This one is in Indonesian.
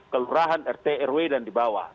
kelurahan rt rw dan di bawah